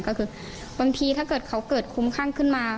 ก็คือบางทีถ้าเกิดเขาเกิดคุ้มข้างขึ้นมา